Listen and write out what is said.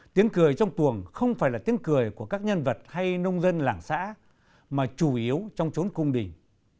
tiếng cười trong tuồng không phải là tiếng cười của các nhân vật hay nông dân làng xã mà chủ yếu trong trốn cung đình